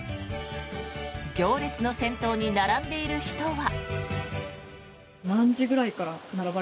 行列の先頭に並んでいる人は。